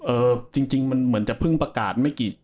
เออจริงมันเหมือนจะพึ่งประกาศ